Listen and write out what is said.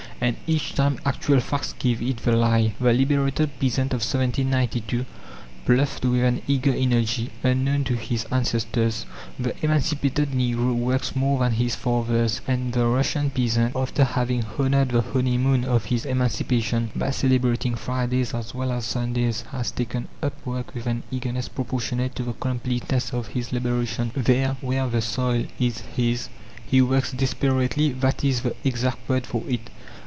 And each time actual facts give it the lie. The liberated peasant of 1792 ploughed with an eager energy, unknown to his ancestors; the emancipated Negro works more than his fathers; and the Russian peasant, after having honoured the honeymoon of his emancipation by celebrating Fridays as well as Sundays, has taken up work with an eagerness proportionate to the completeness of his liberation. There, where the soil is his, he works desperately; that is the exact word for it.